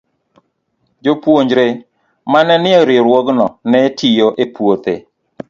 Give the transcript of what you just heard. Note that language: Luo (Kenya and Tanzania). Jopuonjre ma ne nie riwruogno ne tiyo e puothe.